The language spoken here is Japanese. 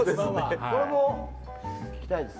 これも聞きたいです。